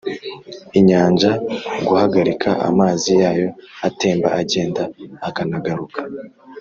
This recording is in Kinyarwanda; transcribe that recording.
’inyanja guhagarika amazi yayo atemba agenda akanagaruka?